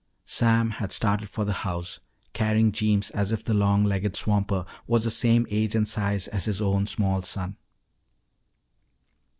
Sam had started for the house, carrying Jeems as if the long legged swamper was the same age and size as his own small son.